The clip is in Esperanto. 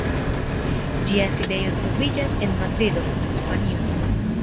Ĝia sidejo troviĝas en Madrido, Hispanio.